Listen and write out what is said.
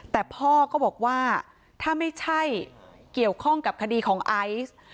แต่พ่อก็บอกว่าถ้าไม่ใช่เกี่ยวข้องกับคดีของไอซ์